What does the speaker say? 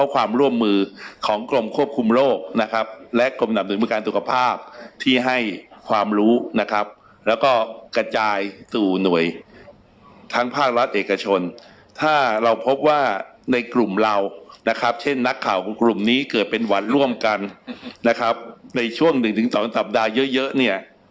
ความรู้นะครับแล้วก็กระจายสู่หน่วยทางภาครัฐเอกชนถ้าเราพบว่าในกลุ่มเรานะครับเช่นนักข่าวกลุ่มนี้เกิดเป็นหวัดร่วมกันนะครับในช่วงหนึ่งถึงสองสัปดาห์เยอะเยอะเนี้ย